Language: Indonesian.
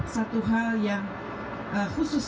satu hal yang khusus